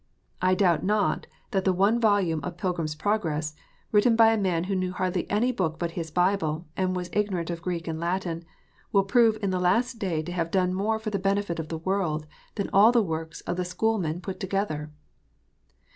I doubt not that the one volume of Pile/rim s Progress, written by a man who knew hardly any book but his Bible, and was ignorant of Greek and Latin, will prove in the last day to liave done more for the benefit of the world than all the works of the schoolmen put together.